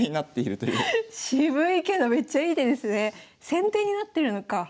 先手になってるのか。